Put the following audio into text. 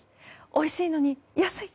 おいしいのに安い！